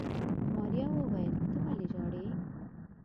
ماريا وويل ته ولې ژاړې.